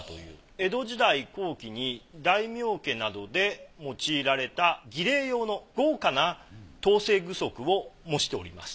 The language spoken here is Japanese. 江戸時代後期に大名家などで用いられた儀礼用の豪華な当世具足を模しております。